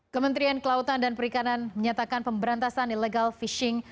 kementerian kelautan dan perikanan menyatakan pemberantasan illegal fishing